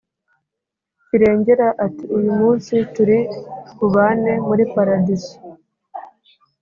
kirengera ati, uyu munsi turi bubane muri paradiso